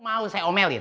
mau saya omelin